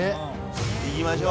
いきましょう。